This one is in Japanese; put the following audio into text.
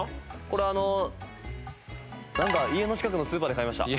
これあのなんか家の近くのスーパーで買いました。